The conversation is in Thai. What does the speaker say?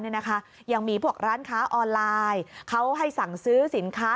ยังมีพวกร้านค้าออนไลน์เขาให้สั่งซื้อสินค้า